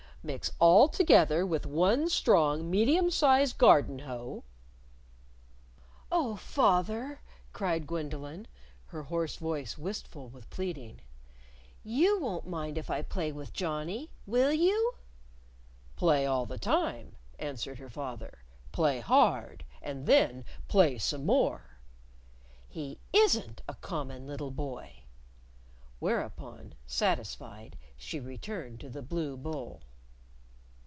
"Mix all together with one strong medium sized garden hoe " "Oh, fath er," cried Gwendolyn, her hoarse voice wistful with pleading, "you won't mind if I play with Johnnie, will you?" "Play all the time," answered her father. "Play hard and then play some more." "He isn't a common little boy." Whereupon, satisfied, she returned to the blue bowl.